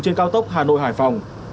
trên cao tốc hà nội hải phòng